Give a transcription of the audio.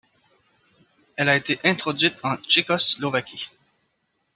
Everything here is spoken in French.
Elle a été introduite en Tchécoslovaquie.